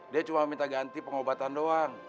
dia cuma minta ganti pengobatan doang